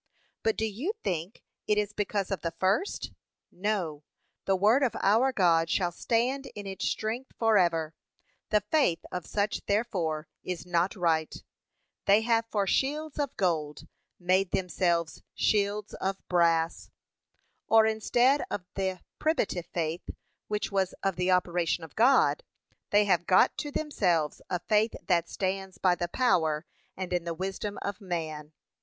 But do you think it is because of the first? no, the word of our God shall stand in its strength for ever; the faith of such therefore is not right; they have for shields of gold, made themselves shields of brass; or instead of the primitive faith, which was of the operation of God, they have got to themselves a faith that stands by the power, and in the wisdom of man.